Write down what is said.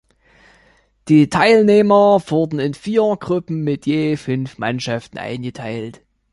Die Teilnehmer wurden in vier Gruppen mit je fünf Mannschaften eingeteilt.